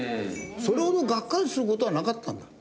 それほどがっかりする事はなかったんだ。